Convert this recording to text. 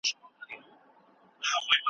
د تیرو ناخوالو هېرول د ملي بریاوو له لارې کېږي.